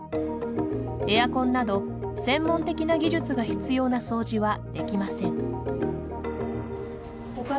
エアコンなど専門的な技術が必要な掃除はできません。